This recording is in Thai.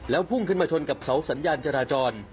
พุ่งขึ้นมาชนกับเสาสัญญาณจราจร